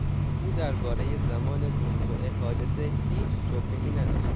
او دربارهی زمان وقوع حادثه هیچ شبههای نداشت.